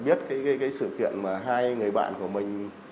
biết cái sự kiện mà hai người bạn của mình